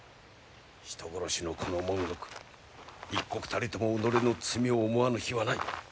人殺しのこの文覚一刻たりとも己の罪を思わぬ日はない！